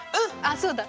そうだ！